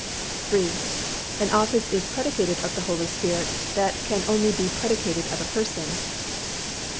III. _An office is predicated of the Holy Spirit that can only be predicated of a person.